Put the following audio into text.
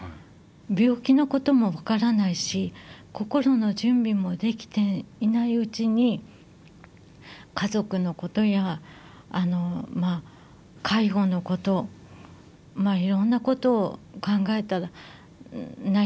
病気のことも分からないし心の準備もできていないうちに家族のことや介護のこといろんなことを考えて悩みました。